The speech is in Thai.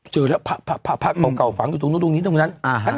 เจอแล้วพระเก่าฝังอยู่ตรงนู้นตรงนี้ตรงนั้น